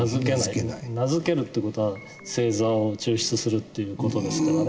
名付けるっていう事は星座を抽出するっていう事ですからね。